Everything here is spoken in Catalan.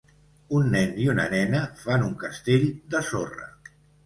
Un nen i una nena fan un castell de sorra